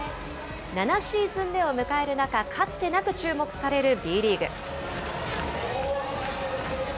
７シーズン目を迎える中、かつてなく注目されるＢリーグ。